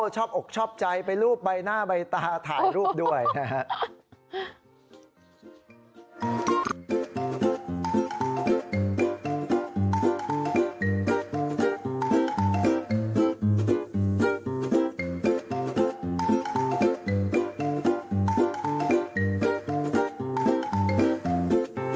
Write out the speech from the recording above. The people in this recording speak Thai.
ชอบออกชอบใจไปรูปไปหน้าไปตาถ่ายรูปด้วยนะฮะ